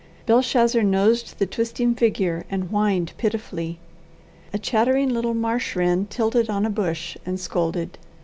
Belshazzar nosed the twisting figure and whined pitifully. A chattering little marsh wren tilted on a bush and scolded.